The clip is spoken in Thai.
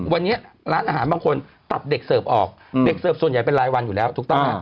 วันนี้ร้านอาหารบางคนตัดเด็กเสิร์ฟออกเด็กเสิร์ฟส่วนใหญ่เป็นรายวันอยู่แล้วถูกต้องไหม